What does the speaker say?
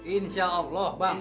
insya allah bang